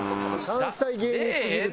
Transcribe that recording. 関西芸人すぎる。